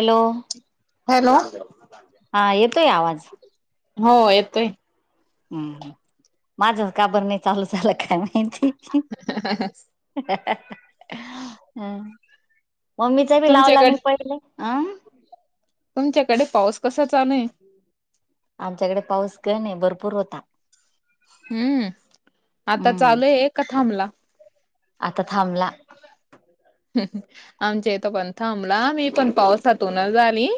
Hello hello हा येतोय आवाज हो येतोय हम् माझ काबर नाही चालू झालं काय माहिती हम्म मम्मीचा बी लावला मी तुमच्याकडे पहिले. अ तुमच्याकडे पाऊस कसा चालूय? आमच्याकड पाऊस काय नाई भरपूर होता. हम्म. आता हम्म चालूय का थांबला? आता थांबला. हम. आमच्या इथं पण थांबला मी पण पावसातूनचं आली.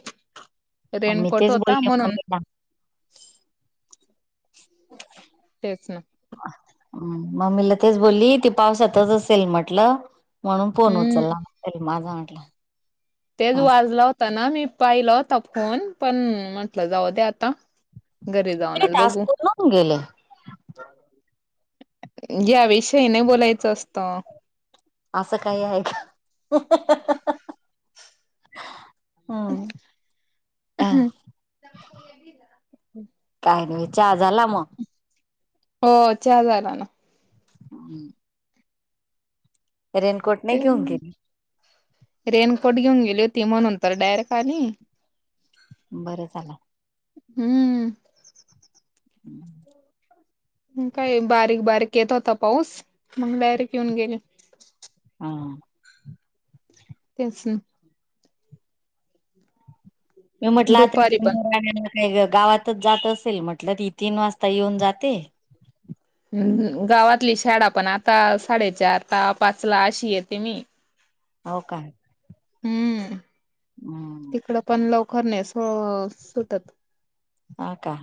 मी रेनकोट तेच होता बोलली म्हणून मम्मीला तेच ना. हम्. मम्मीला तेच बोलली ती पावसातच असेल म्हटलं. म्हणून फोन हम्म उचलला, तरी माझा म्हटलं तेच वाजलाव त्याना मी पाहिला होता फोन पण म्हंटलं जाऊद्या आता घरी जाऊनच टास्क बघू पूर्ण होऊन गेले या विषयी नाय बोलायचं असतं. असं काही हाय का? हा हा हा हा. हम. आह. काई नाई चा झाला मग? हो चहा झाला ना. हम्. करेन [unintelligible] रेनकोट घेऊन गेली हुती म्हणून तर डायरेक्ट आली. बरं चाल्लाव. हम्म. हम्म काय बारीक- बारीक येत होता पाऊस, मग डायरेक्ट येेऊन गेली. हम. तेच हम. मी म्हटलं आता दुपारी पण [unintelligible] नाई ग गावातच जात असेल म्हटलं ती तीन वाजता येऊन जाते. हम गावातली शाळा पण आता साडेचार ला पाच ला अशी येते मी. होव काय? हम्म. हम्म तिकडं पण लवकर नाई सु सुटत. हा का.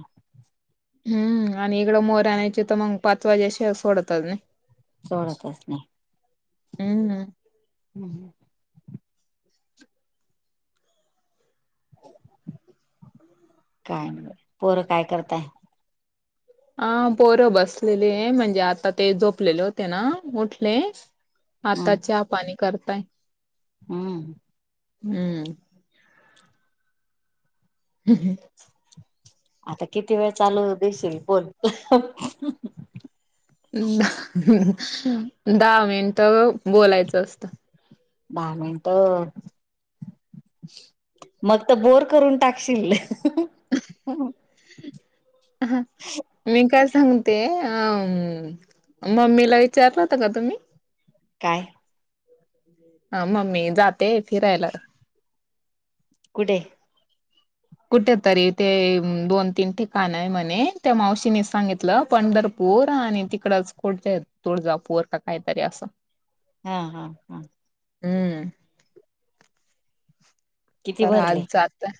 हम्म, आणि इकडं मोर आणायची तर मग पाच वाजल्याशिवाय सोडतच नाही. सोडतच नाही. हम. हम्. काय नाय. पोरं काय करताय? हा पोरं बसलेलीए, म्हणजे आता ते झोपलेले होते ना? उठले. आता हम्म चा पाणी करताय. हम्म. हम्म. हम् ह. आता किती वेळ चालू दिशील पण हं हम. दहा मिंट बोलायचं असतं. दहा मिनट मग तर बोर करून टाकशील. [inaudible] मी काय सांगते, अ मम्मीला विचारलं होता का तुम्ही? काय? अ मम्मी जातेय फिरायला. कुठे? कुठ तरी ते दोन तीन ठिकाण आहे म्हणे, त्या मावशीने सांगितलं पंढर पुर आणि तिकडच कोठे तुळजापूर, का काहीतरी असं. हा हा हा! हूं! किती तर आज भरले जाताय,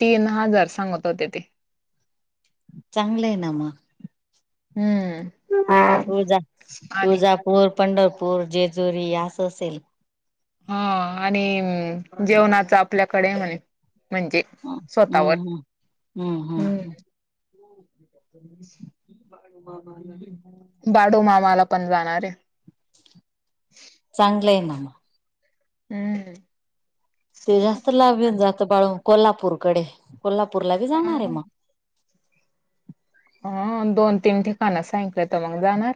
तीन हजार सांगत होते ते. चांगलंय आहे ना म. हूं! तुळजा, तुळजापूर, पंढरपूर जेजुरी, असं असेल. हं आणि जेवणाच आपल्याकडे म्हने म्हणजे. हम्म स्वतःवर हम्म हम्म हम्म हूं. हम्म. बाडोमामाला पण जाणार हे. चांगलंय ना आहे म. हूं! ते जास्त लाभ येऊन जातं बाळून कोल्हापूरकडे कोल्हापूरला बी जाणार आहे मग ह दोन तीन ठिकाण सांगीतल्यात त मग जाणार.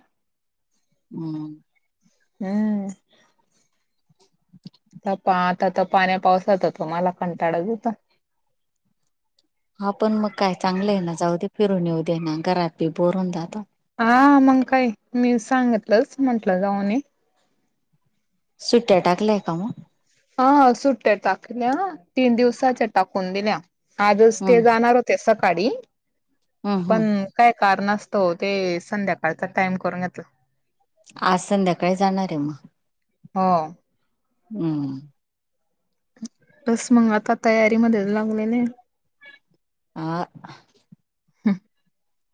हूं! हूं! [inaudible] नपा आता त पाण्या पावसाचा, त माला कंटाळा चं येतोय. हा पण मग काय चांगलं आहे ना, जाऊ दे फिरून येऊ दे ना, घरात बी बोर होन जात. हा मग काय, मी सांगितलंच म्हंटलं जाऊ ये. सुट्या टाकल्याय का म. ह सुट्ट्या टाकल्या तीन दिवसाच्या टाकून दिल्या, आजच ते हम्म जाणार हो ते सकाढी हम्म हम्म पण काय कारनास्तावं, ते संध्याकाळचा टाइम करून घेतला. आज संध्याकाळी जाणार आहे म? हो! हूं! बस मग आता तयारीमध्ये लागलोले हे! आ! हूं!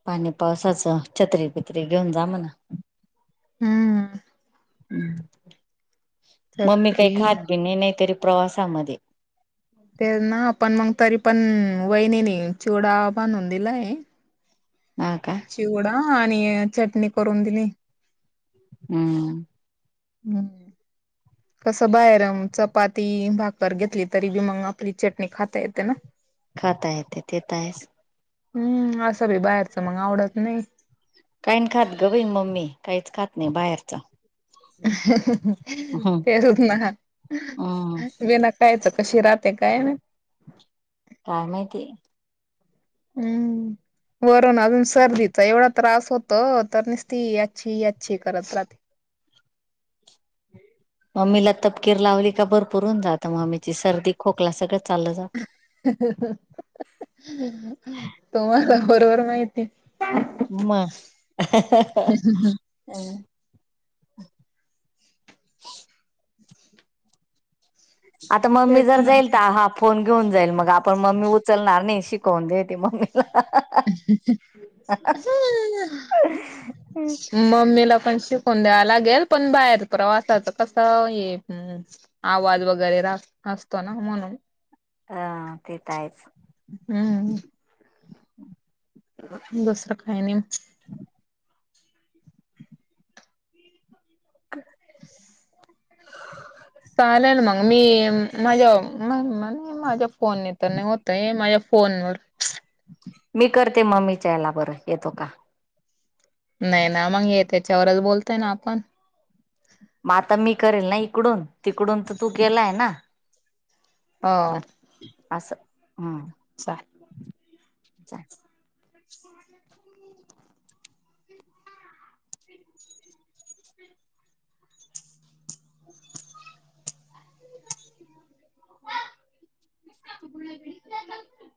पाणी पावसाचं छत्री, बित्री, घेऊन जा म्हणा. हूं! मम्मी काही छत्री खात बि नाही, नाहीतरी प्रवासामध्ये. तेचं ना पण मग तरी पण वहिनीने, चिवडा भानून दिलाय. हा का. चिवडा आणि, चटणी करून दिली हूं! [inaudible] कस बाहेर चपाती, भाकर घेतली तरी बी मग आपली चटणी खाता येते ना. [inaudible] खाता येत ते त आहेस. हूं असं भी बाहेरचं मग आवडत नाही. काहीन खात ग बाई मम्मी, काहीच खात नाही, बाहेरच. तेस ना हम्म वीना कायचं कशी राहते काय माहित काय माहिती. हम्म वरून अजून सर्दीचा एवढा त्रास होत तर निसती याछी यांछी करत राहते. मम्मीला तपकीर लावली का भरपूर होऊन जात मम्मीची सर्दी खोकला सगळंच [unintelligible] तुम्हाला बरोबर माहिती. म [unintelligible] आता मम्मी तेच जर ना जाईल त हा फोन घेऊन जाईल मग आपण मम्मी उचलणार नई शिकवून देते मम्मीला हं मम्मीला पण शिकून द्यावा लागेल पण बाहेर प्रवासाच कसं हे आवाज वगैरे रा असतो ना म्हणून अं तेेत आहेच. हम्म दुसरं काय नाही. [unintelligible] चालल मंग मी माझ्या मं नं मं नं माझ्या फोन नी त नाय होतय माया फोनवर मी करते मम्मीच्या याला बर येतो का? नाय ना मंग ये त्याच्यावरच बोलतय ना आपण. म आता मी करेल ना इकडून तिकडून त तू गेलाय ना. ओ असं हूं चाल चाललं [unintelligible]